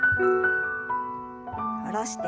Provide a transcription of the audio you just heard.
下ろして。